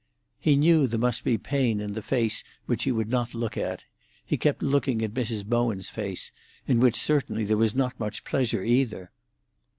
He knew there must be pain in the face which he would not look at; he kept looking at Mrs. Bowen's face, in which certainly there was not much pleasure, either.